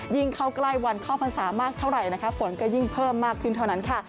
ยิ่งเข้าใกล้วันเข้าผังสระมากเท่าไหร่ฝนก็ยิ่งเพิ่มมากขึ้นเท่านั้นค่ะ